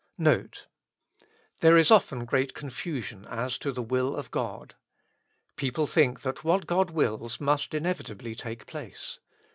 NOTE. There is often great confusion as to the will of God. People think that what God wills must inevitably take place.